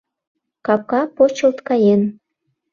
Капка почылт каен.